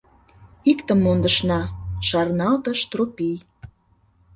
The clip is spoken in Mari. — Иктым мондышна, — шарналтыш Тропий.